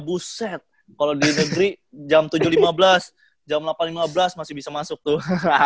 bu set kalau di negeri jam tujuh lima belas jam delapan lima belas masih bisa masuk tuh